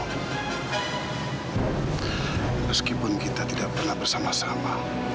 meskipun kita tidak pernah bersama sama